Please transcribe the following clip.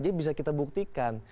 jadi bisa kita buktikan